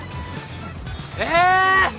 え！？